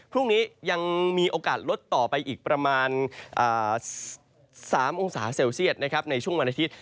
พรุ่งนี้ยังมีโอกาสลดต่อไปอีกประมาณ๓องศาเซลเซียตในช่วงวันอาทิตย